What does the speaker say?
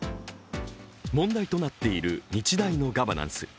問題となっている日大のガバナンス。